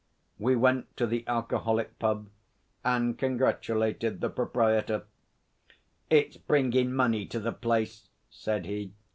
We went to the alcoholic pub and congratulated the proprietor. 'It's bringin' money to the place,' said he.